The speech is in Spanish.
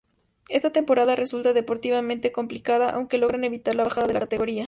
Esta temporada resulta, deportivamente, complicada aunque logran evitar la bajada de categoría.